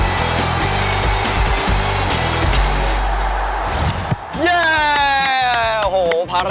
เคี่ยง